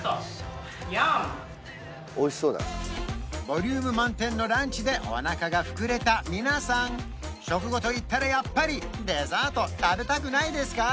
ボリューム満点のランチでおなかが膨れた皆さん食後といったらやっぱりデザート食べたくないですか？